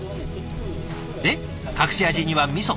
で隠し味にはみそ。